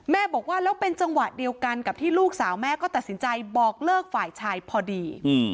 บอกว่าแล้วเป็นจังหวะเดียวกันกับที่ลูกสาวแม่ก็ตัดสินใจบอกเลิกฝ่ายชายพอดี